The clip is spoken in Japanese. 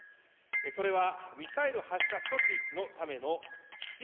それはミサイル発射阻止のための必要